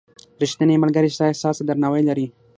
• ریښتینی ملګری ستا احساس ته درناوی لري.